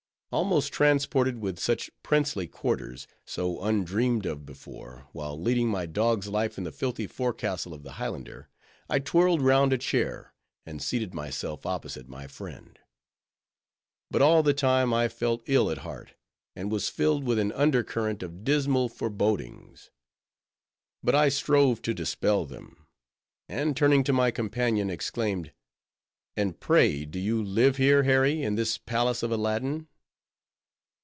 Almost transported with such princely quarters, so undreamed of before, while leading my dog's life in the filthy forecastle of the Highlander, I twirled round a chair, and seated myself opposite my friend. But all the time, I felt ill at heart; and was filled with an undercurrent of dismal forebodings. But I strove to dispel them; and turning to my companion, exclaimed, "And pray, do you live here, Harry, in this Palace of Aladdin?"